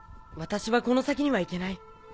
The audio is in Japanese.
私はこの先には行けない。